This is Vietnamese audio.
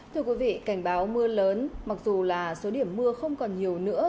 thưa quý vị cảnh báo mưa lớn mặc dù là số điểm mưa không còn nhiều nữa